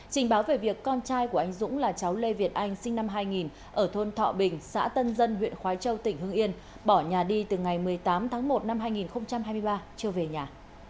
trình báo về việc con trai của anh dũng là cháu lê việt anh sinh năm hai nghìn ở thôn thọ bình xã tân dân huyện khói châu tỉnh hương yên bỏ nhà đi từ ngày một mươi tám tháng một năm hai nghìn hai mươi ba chưa về nhà